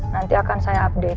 nanti akan saya update